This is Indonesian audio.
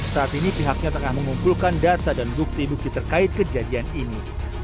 saat ini pihaknya tengah mengumpulkan data dan bukti bukti terkait kejadian ini